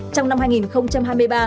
trong năm hai nghìn hai mươi ba